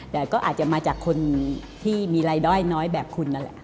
แต่ก็อาจจะมาจากคนที่มีรายได้น้อยแบบคุณนั่นแหละ